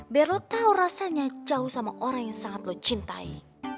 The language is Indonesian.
biar lo tau rasanya jauh sama orang yang sangat lo cintai